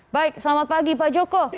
baik selamat pagi pak joko